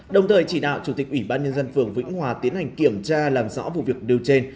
đồng thời chỉ đạo chủ tịch ủy ban nhân dân phường vĩnh hòa tiến hành kiểm tra làm rõ vụ việc nêu trên